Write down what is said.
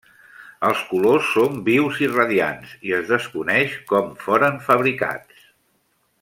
Els colors són vius i radiants, i es desconeix com foren fabricats.